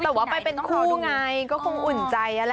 แต่ว่าไปเป็นครูดูไงก็คงอุ่นใจนั่นแหละ